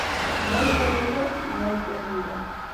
Muy jodido, muy prendido.